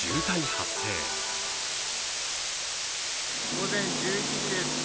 午前１１時です。